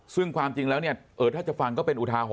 ซึ่งความจริงแล้วเนี่ยถ้าจะฟังก็เป็นอุทาห